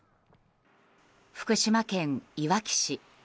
福島県いわき市。